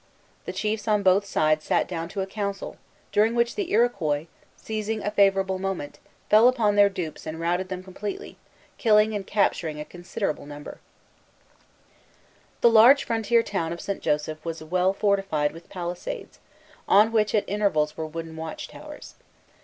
The chiefs on both sides sat down to a council, during which the Iroquois, seizing a favorable moment, fell upon their dupes and routed them completely, killing and capturing a considerable number. Ragueneau, Relation des Hurons, 1646, 55. The large frontier town of St. Joseph was well fortified with palisades, on which, at intervals, were wooden watch towers.